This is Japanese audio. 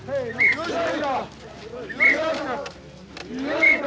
よいしょ！